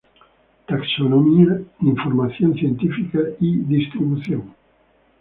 Taxonomía, información científica y distribución